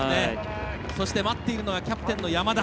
そして待っているのはキャプテンの山田。